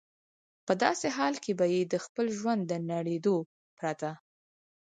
په داسې حال کې به یې د خپل ژوند د نړېدو پرته.